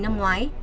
anh đẳng nói